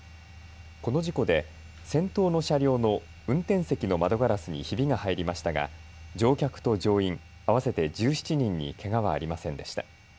この事故で先頭の車両の運転席の窓ガラスにひびが入りましたが乗客と乗員合わせて１７人にけがはありませんでした。